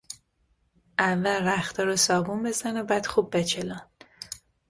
اول رختها را صابون بزن و بعد خوب بچلان!